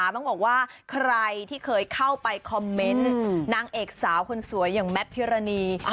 ต้องบอกว่าใครที่เคยเข้าไปคอมเมนต์นางเอกสาวคนสวยอย่างแมทพิรณี